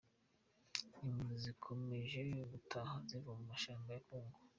Impunzi zikomeje gutaha ziva mu mashamba ya kongo